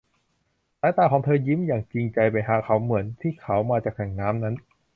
สายตาของเธอยิ้มอย่างจริงใจไปหาเขา เหมือนที่เขามาจากแหล่งน้ำนั้น